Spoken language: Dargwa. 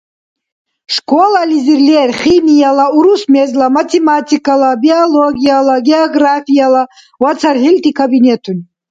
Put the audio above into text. Школализир лер химияла, урус мезла, математикала, биологияла, географияла ва цархӏилти кабинетуни.